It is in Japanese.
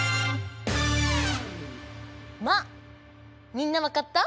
みんなわかった？